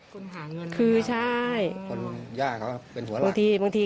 คุณหาเงินคือใช่คนย่าเขาเป็นหัวเราบางทีบางที